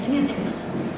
ini yang saya ingin pesan